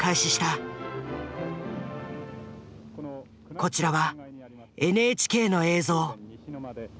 こちらはＮＨＫの映像。